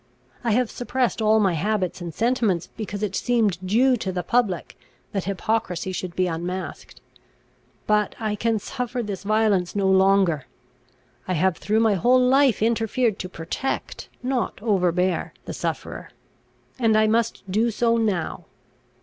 I have suppressed all my habits and sentiments, because it seemed due to the public that hypocrisy should be unmasked. But I can suffer this violence no longer. I have through my whole life interfered to protect, not overbear, the sufferer; and I must do so now.